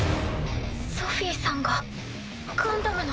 ソフィさんがガンダムの。